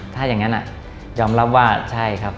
ถ้าอย่างนั้นยอมรับว่าใช่ครับ